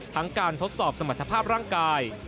ทั้งการทดสอบสมรรถภาพร่างกาย